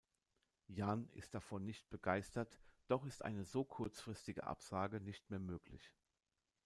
Jan ist davon nicht begeistert, doch ist eine so kurzfristige Absage nicht mehr möglich.